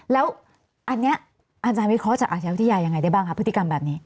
แล้วอันนี้อาจารย์วิเคราะห์จากอาชญาวิทยายังไงได้บ้างคะพฤติกรรมแบบนี้